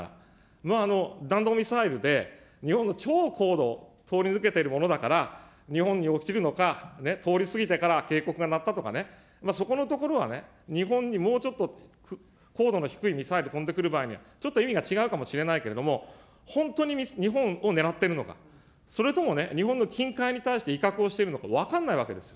まあ、弾道ミサイルで日本の超高度、通り抜けてるものだから、日本に落ちるのか、通り過ぎてから警告が鳴ったとかね、そこのところはね、日本にもうちょっと高度の低いミサイル飛んでくる場合に、ちょっと意味が違うかもしれないけれども、本当に日本を狙ってるのか、それとも日本の近海に対して威嚇をしているのか、分からないわけですよ。